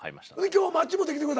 今日マッチ持ってきてくれたん？